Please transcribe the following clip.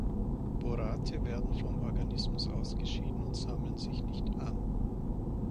Borate werden vom Organismus ausgeschieden und sammeln sich nicht an.